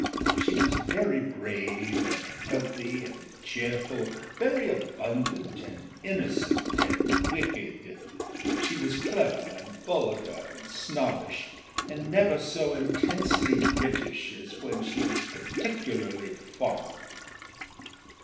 She was very brave and healthy and cheerful, very abundant and innocent and wicked. She was clever and vulgar and snobbish, and never so intensely British as when she was particularly foreign.